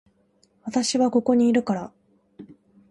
私はここにいるから